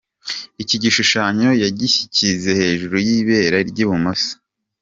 Iki gishushanyo yagishyize hejuru y’ibere ry’ibumoso.